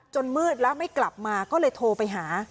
มืดแล้วไม่กลับมาก็เลยโทรไปหา